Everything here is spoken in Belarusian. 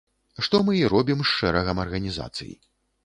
Што мы і робім з шэрагам арганізацый.